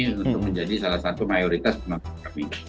untuk menjadi salah satu mayoritas penonton kami